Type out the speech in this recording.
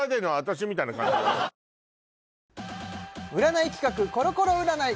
占い企画コロコロ占い